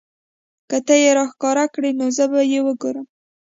که تۀ یې راښکاره کړې زه به یې وګورمه.